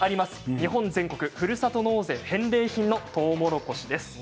日本全国ふるさと納税返礼品のとうもろこしです。